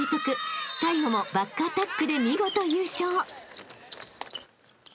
最後もバックアタックで見事優勝］